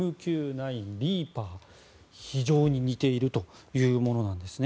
９リーパーに非常に似ているというものなんですね。